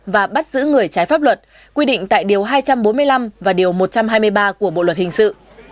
và bắt giữ người trái pháp luật quy định tại điều hai trăm bốn mươi năm và điều một trăm hai mươi ba của bộ luật hình sự